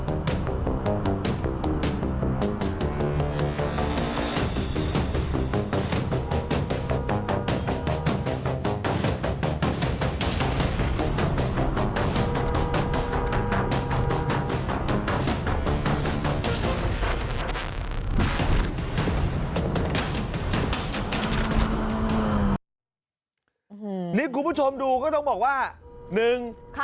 มันนี่คุณผู้ชมดูก็ต้องบอกว่า๑จากในหนังแหละ